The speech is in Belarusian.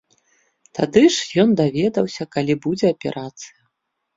Тады ж ён даведаўся, калі будзе аперацыя.